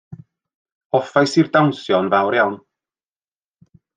Hoffais i'r dawnsio yn fawr iawn.